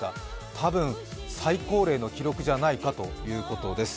多分、最高齢の記録じゃないかということです。